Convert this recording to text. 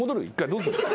どうする？